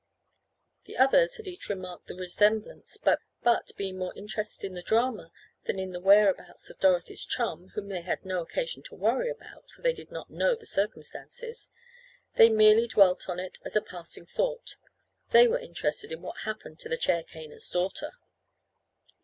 The others had each remarked the resemblance, but, being more interested in the drama than in the whereabouts of Dorothy's chum (whom they had no occasion to worry about for they did not know the circumstances,) they merely dwelt on it as a passing thought—they were interested in what happened to the chair caner's daughter.